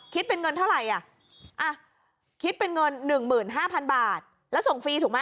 คิดเป็นเงินเท่าไหร่อ่ะคิดเป็นเงิน๑๕๐๐๐บาทแล้วส่งฟรีถูกไหม